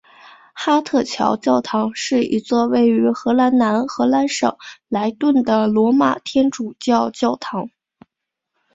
哈特桥教堂是一座位于荷兰南荷兰省莱顿的罗马天主教教堂。